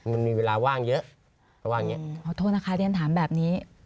มันมีเวลาว่างเยอะเขาว่าอย่างเงี้ขอโทษนะคะเรียนถามแบบนี้